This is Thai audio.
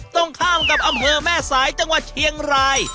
ตรงข้ามกับอำเภอแม่สายจังหวัดเชียงราย